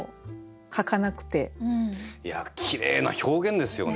きれいな表現ですよね。